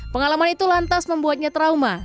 pengalaman itu lantas membuatnya trauma